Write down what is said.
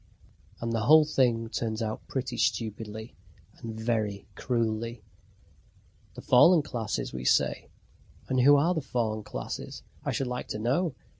And the whole thing turns out pretty stupidly and very cruelly. The fallen classes, we say. And who are the fallen classes, I should like to know?